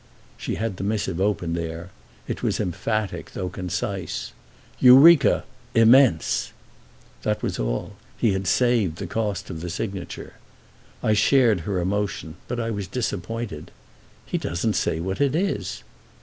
She had the missive open there; it was emphatic though concise. "Eureka. Immense." That was all—he had saved the cost of the signature. I shared her emotion, but I was disappointed. "He doesn't say what it is."